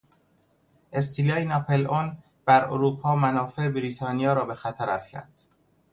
استیلای ناپلئون بر اروپا منافع بریتانیا را به خطر افکند.